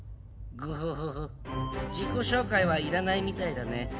グフフフ自己紹介はいらないみたいだね。